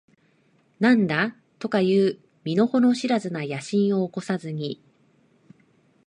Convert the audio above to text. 何だとかいう身の程知らずな野心を起こさずに、